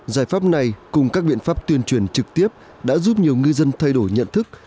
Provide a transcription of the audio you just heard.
giải pháp này cùng các biện pháp tuyên truyền trực tiếp đã giúp nhiều ngư dân thay đổi nhận thức